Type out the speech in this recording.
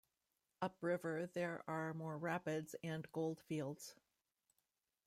Upriver there are more rapids and goldfields.